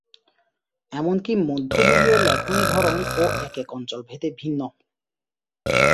এমন কি মধ্য যুগীয় লেখনী ধরন ও একেক অঞ্চল ভেদে ভিন্ন।